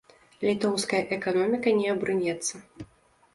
Літоўская эканоміка не абрынецца.